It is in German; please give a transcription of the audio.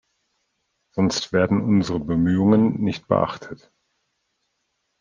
Sonst werden unsere Bemühungen nicht beachtet.